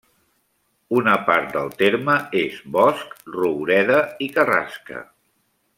Una part del terme és bosc, roureda i carrasca.